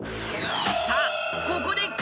［さあここで］